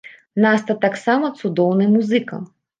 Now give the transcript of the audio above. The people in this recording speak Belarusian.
Наста таксама цудоўны музыка.